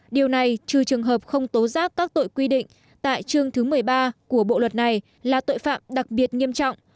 điều này trừ trường hợp không tố giác các tội quy định tại chương thứ một mươi ba của bộ luật này là tội phạm đặc biệt nghiêm trọng